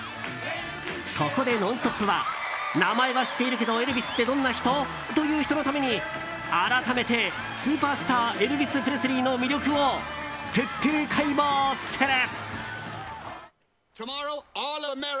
そこで「ノンストップ！」は名前は知っているけどエルヴィスってどんな人？という人のために改めて、スーパースターエルヴィス・プレスリーの魅力を徹底解剖する。